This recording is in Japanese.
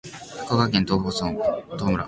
福岡県東峰村